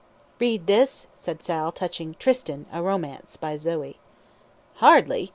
"Read this?" said Sal, touching "Tristan: A Romance, by Zoe." "Hardly!"